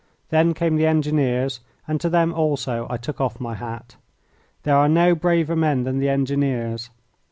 Then came the Engineers, and to them also I took off my hat. There are no braver men than the Engineers.